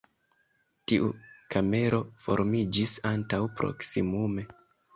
Tiu kamero formiĝis antaŭ proksimume.